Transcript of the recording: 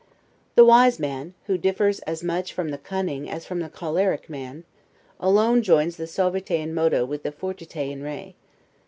The wise man (who differs as much from the cunning, as from the choleric man) alone joins the 'suaviter in modo' with the 'fortiter in re'.